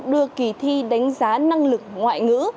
đưa kỳ thi đánh giá năng lực ngoại ngữ